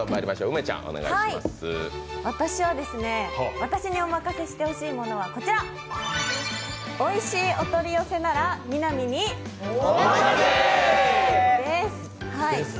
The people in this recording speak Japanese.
私におまかせしてほしいものはこちらおいしいお取り寄せならみなみにおまかせ！